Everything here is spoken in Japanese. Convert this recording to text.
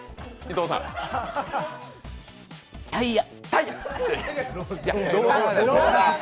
タイヤ？